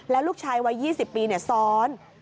แล้วลูกชายวัย๒๐ปีซ้อน